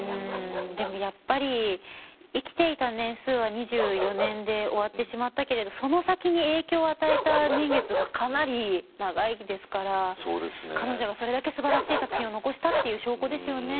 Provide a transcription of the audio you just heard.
でもやっぱり生きていた年数は２４年で終わってしまったけれどその先に影響を与えた年月がかなり長いですから彼女がそれだけすばらしい作品を残したっていう証拠ですよね。